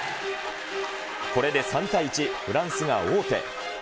これで３対１、フランスが王手。